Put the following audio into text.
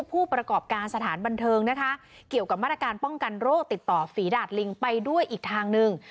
ผู้ประกอบการสถานบันเทิงนะคะเกี่ยวกับมาตรการป้องกันโรคติดต่อฝีดาดลิงไปด้วยอีกทางหนึ่ง